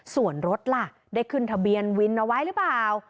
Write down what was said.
ส่วนรถล่ะได้ขึ้นทะเบียนวินเอาไว้หรือเปล่า